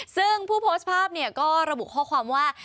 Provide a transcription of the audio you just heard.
ซึ่งผู้โพสต์ภาพเนี่ยก็ระบุข้อความว่า